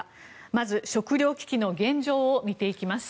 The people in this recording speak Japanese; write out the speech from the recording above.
まず、食糧危機の現状を見ていきます。